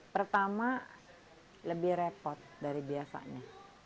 pertama lebih repot dari biasanya